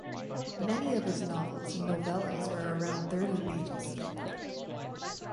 Many of his novels and novellas were around thirty pages thick.